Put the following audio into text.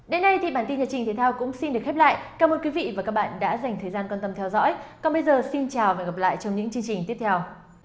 còn bây giờ xin chào và hẹn gặp lại trong những chương trình tiếp theo